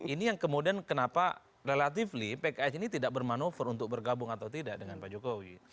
ini yang kemudian kenapa relatifly pks ini tidak bermanuver untuk bergabung atau tidak dengan pak jokowi